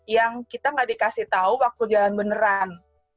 yang kita nggak dikasih tahu waktu jalan beneran